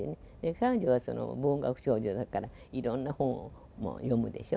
彼女は文学少女だから、いろんな本を読むでしょ。